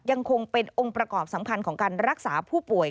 ยังคงเป็นองค์ประกอบสำคัญของการรักษาผู้ป่วย